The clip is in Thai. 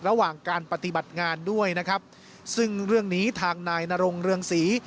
ระหว่างการปฏิบัติงานด้วยนะครับซึ่งเรื่องนี้ทางนายนรงเรืองศรี